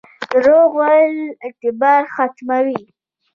دروغ ویل اعتبار ختموي